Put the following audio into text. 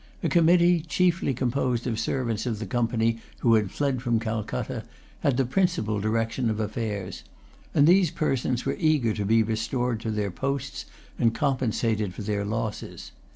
A committee, chiefly composed of servants of the Company who had fled from Calcutta, had the principal direction of affairs; and these persons were eager to be restored to their posts and compensated for their losses.